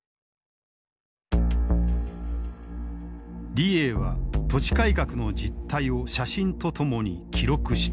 李鋭は土地改革の実態を写真とともに記録していた。